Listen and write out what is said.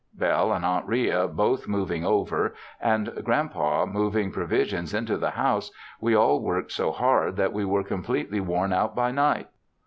Belle and Aunt Ria both moving over, and Grand Pa moving provisions into the house, we all worked so hard that we were completely worn out by night.